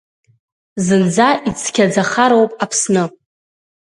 Зынӡа ицқьаӡахароуп Аԥсны.